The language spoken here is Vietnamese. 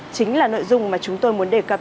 chính là nội dung mà chúng tôi muốn đề cập